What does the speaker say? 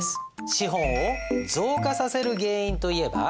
資本を増加させる原因といえば？